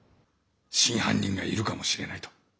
真犯人がいるかもしれないと。